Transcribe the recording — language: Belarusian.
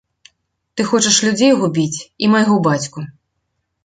Ты хочаш людзей губіць і майго бацьку.